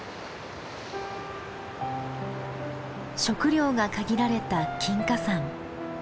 食料が限られた金華山。